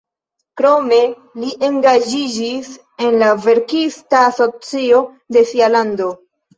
Krome li engaĝiĝis en la verkista asocio de sia lando.